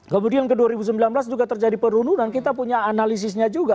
kemudian ke dua ribu sembilan belas juga terjadi penurunan kita punya analisisnya juga